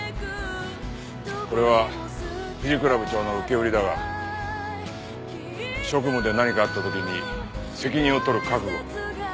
これは藤倉部長の受け売りだが職務で何かあった時に責任を取る覚悟。